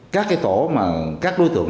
các cái tổ mà các đối tượng